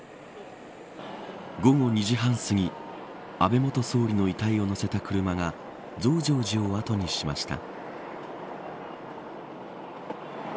午後２じ半すぎ安倍元総理の遺体を乗せた車が増上寺を後にしました。